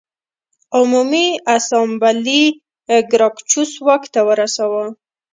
عمومي اسامبلې ګراکچوس واک ته ورساوه